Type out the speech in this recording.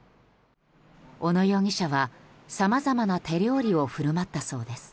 小野容疑者はさまざまな手料理を振る舞ったそうです。